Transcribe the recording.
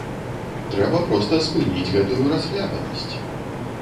Трэба проста спыніць гэтую расхлябанасць!